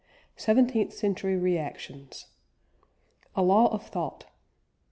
CHAPTER IV SEVENTEENTH CENTURY REACTIONS A LAW OF THOUGHT.